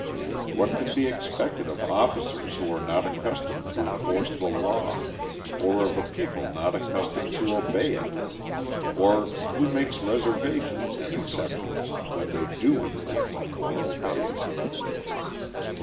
What can be expected of officers who are not accustomed to enforce the law, or of a people not accustomed to obey it or who make reservations and exceptions when they do enforce it or obey it?